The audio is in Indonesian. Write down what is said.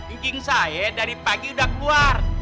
iking saya dari pagi udah keluar